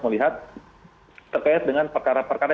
melihat terkait dengan perkara perkara